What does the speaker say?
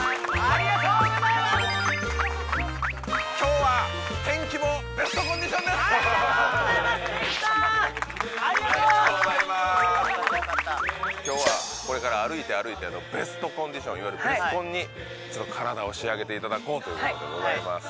ありがとう今日はこれから歩いて歩いてベストコンディションいわゆるベスコンに体を仕上げていただこうということでございます